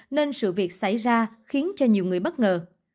nên sự việc xảy ra khiến cho nhiều người bất ngờ